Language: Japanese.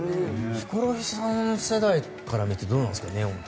ヒコロヒーさん世代から見てどうですか。